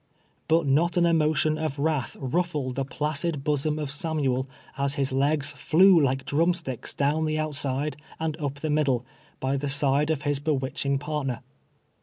But not an emotion of wrath ruffled the placid bosom of Samuel, as his legs flew like drum sticks down the outside and up the middle, by the side of his bewitching partner.